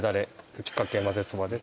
ぶっかけまぜそばです